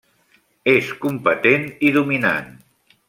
És competent i dominant.